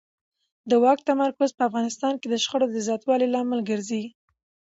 د واک تمرکز په افغانستان کې د شخړو د زیاتوالي لامل ګرځي